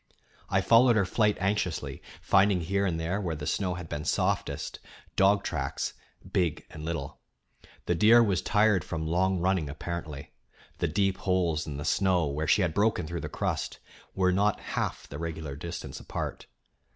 I followed her flight anxiously, finding here and there, where the snow had been softest, dog tracks big and little. The deer was tired from long running, apparently; the deep holes in the snow, where she had broken through the crust, were not half the regular distance apart.